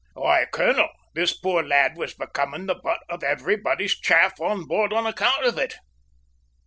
"Why, colonel, this poor lad was becoming the butt for everybody's chaff on board on account of it!"